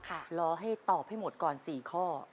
รอให้ตอบให้หมดก่อน๔ข้อ